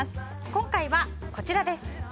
今回はこちらです。